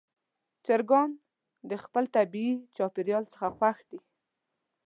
چرګان د خپل طبیعي چاپېریال څخه خوښ دي.